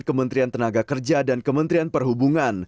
kementerian tenaga kerja dan kementerian perhubungan